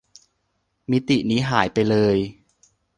มิตินี้หายไปเลย